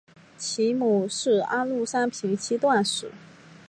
其母是安禄山平妻段氏。